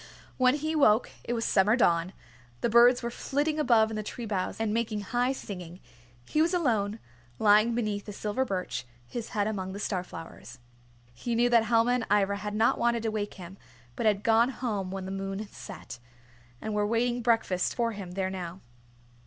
When he woke it was summer dawn. The birds were flitting above in the tree boughs and making high singing. He was alone, lying beneath a silver birch, his head among the star flowers. He knew that Helma and Ivra had not wanted to wake him, but had gone home when the moon set, and were waiting breakfast for him there now.